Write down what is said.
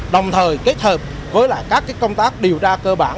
đồng thời kết hợp với các công tác điều tra cơ bản